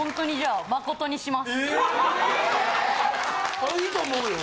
あいいと思うよ。